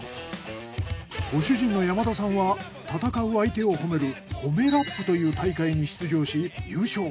ご主人の山田さんは戦う相手を褒める誉めラップという大会に出場し優勝。